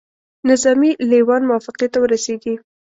نظامي لېوان موافقې ته ورسیږي.